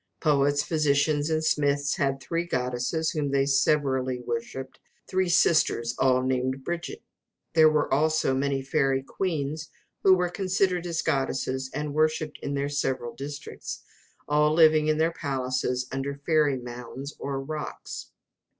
Poets, physicians, and smiths had three goddesses whom they severally worshipped, three sisters, all named Brigit. There were also many fairy queens, who were considered as goddesses and worshipped in their several districts, all living in their palaces under fairy mounds or rocks.